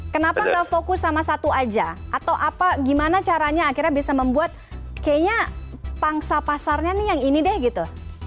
kenapa nggak fokus sama satu aja atau apa gimana caranya akhirnya bisa membuat kayaknya pangsa pasarnya nih yang ini deh gitu